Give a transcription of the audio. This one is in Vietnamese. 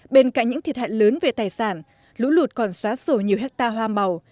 bên cạnh những thiệt hại lớn về tài sản lũ lụt còn xóa sổ nhiều hectare hoa màu